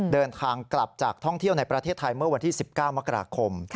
เดินทางกลับจากท่องเที่ยวในประเทศไทยเมื่อวันที่๑๙มกราคม